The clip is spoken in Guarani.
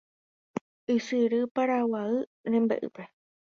ysyry Paraguay rembe'ýpe